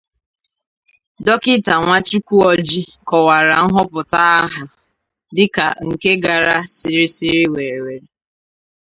Dọkịta Nkwachukwu Orji kọwara nhọpụta ahụ dịka nke gara siriri-werere